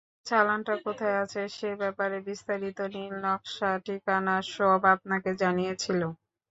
চালানটা কোথায় আছে সে ব্যাপারে বিস্তারিত নীলনকশা, ঠিকানা সব আপনাকে জানিয়েছিল।